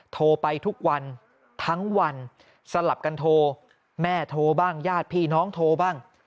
โทรไปทุกวันทั้งวันสลับกันโทรแม่โทรบ้างญาติพี่น้องโทรบ้าง